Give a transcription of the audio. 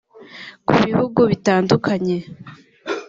Ku bihugu bitandukanye